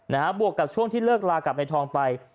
บวกกับช่วงที่เลิกลากับนายทองไป